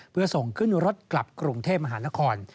เพื่อส่งขึ้นรถกลับกรุงเทพมหานคร